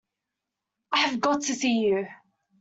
I have got to see you.